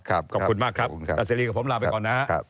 ขอบคุณมากครับอัศรีกับผมลาไปก่อนนะครับ